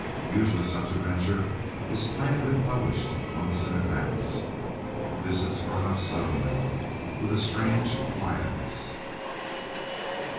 Usually such a venture is planned and published months in advance. This had sprung up suddenly, with a strange quietness.